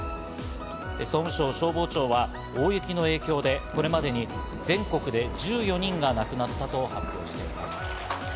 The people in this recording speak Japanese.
総務省消防庁は大雪の影響で、これまでに全国で１４人が亡くなったと発表しています